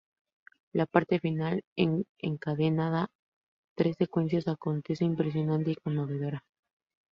La parte final, que encadena tres secuencias, acontece impresionante y conmovedora.